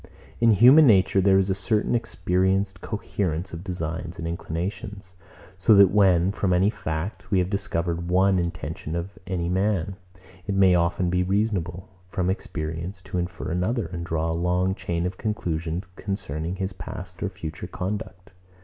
In human nature, there is a certain experienced coherence of designs and inclinations; so that when, from any fact, we have discovered one intention of any man, it may often be reasonable, from experience, to infer another, and draw a long chain of conclusions concerning his past or future conduct.